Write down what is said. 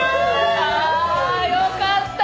ああよかった！